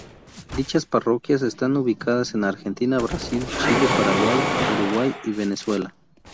Dichas parroquias están ubicadas en Argentina, Brasil, Chile, Paraguay, Uruguay y Venezuela.